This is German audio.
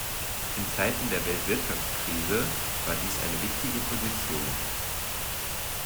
In Zeiten der Weltwirtschaftskrise war dies eine wichtige Position.